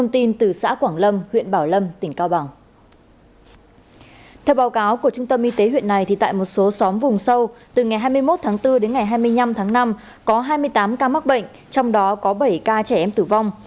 theo báo cáo của trung tâm y tế huyện này tại một số xóm vùng sâu từ ngày hai mươi một tháng bốn đến ngày hai mươi năm tháng năm có hai mươi tám ca mắc bệnh trong đó có bảy ca trẻ em tử vong